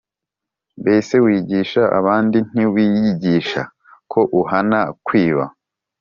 Mbese wigisha abandi, ntiwiyigisha? Ko uhana kwiba